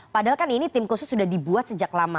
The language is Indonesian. padahal kan ini tim khusus sudah dibuat sejak lama